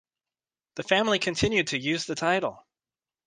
The family continued to use the title.